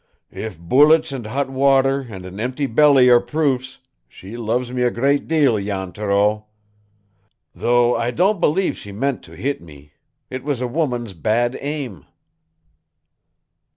"If bullets and hot water and an empty belly are proofs, she loves me a great deal, Jan Thoreau! Though I don't believe she meant to hit me. It was a woman's bad aim."